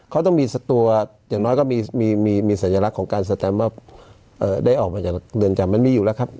เขาต้องมีสตัวอย่างน้อยก็มีสัญลักษณ์ของการสแตมว่าได้ออกมาจากเรือนจำมันมีอยู่แล้วครับ